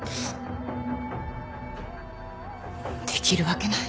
できるわけない。